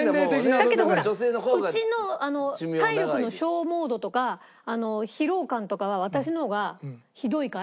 だけどほらうちの体力の消耗度とか疲労感とかは私の方がひどいから。